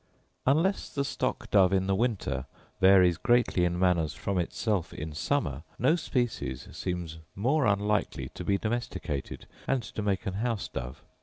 Unless the stock dove in the winter varies greatly in manners from itself in summer, no species seems more unlikely to be domesticated, and to make an house dove.